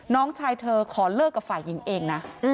น้องชายเธอขอเลิกกับฝ่ายหญิงเองนะ